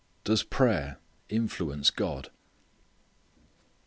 Does Prayer Influence God?